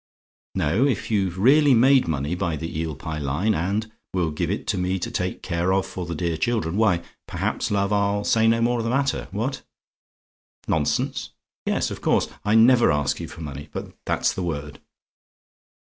No: if you've really made money by the Eel Pie line, and will give it to me to take care of for the dear children, why, perhaps, love, I'll say no more of the matter. What? "NONSENSE? "Yes, of course: I never ask you for money, but that's the word.